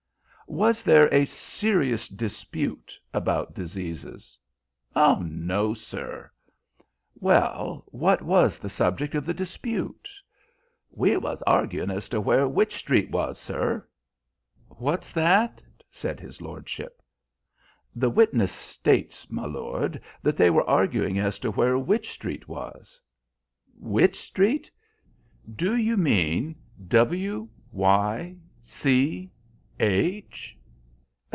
"Was there a serious dispute about diseases?" "No, sir." "Well, what was the subject of the dispute?" "We was arguin' as to where Wych Street was, sir." "What's that?" said his lordship. "The witness states, my lord, that they were arguing as to where Wych Street was." "Wych Street? Do you mean W Y C H?"